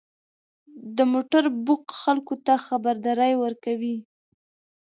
• د موټر بوق خلکو ته خبرداری ورکوي.